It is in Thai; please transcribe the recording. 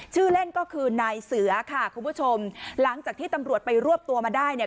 ชื่อเล่นก็คือนายเสือค่ะคุณผู้ชมหลังจากที่ตำรวจไปรวบตัวมาได้เนี่ย